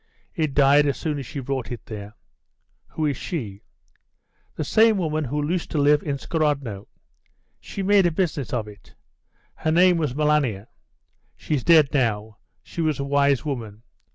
"It died as soon as she brought it there." "Who is she?" "That same woman who used to live in Skorodno. She made a business of it. Her name was Malania. She's dead now. She was a wise woman.